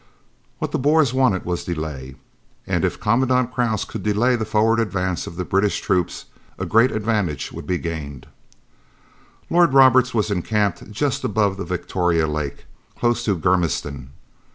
What the Boers wanted was delay and if Commandant Krause could delay the forward advance of the British troops a great advantage would be gained. Lord Roberts was encamped just above the Victoria Lake, close to Germiston.